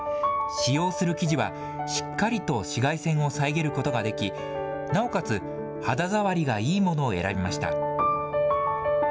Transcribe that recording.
使用する生地はしっかりと紫外線を遮ることができ、なおかつ、肌触りがいいものを選びました。